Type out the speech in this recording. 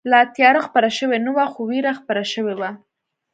لا تیاره خپره شوې نه وه، خو وېره خپره شوې وه.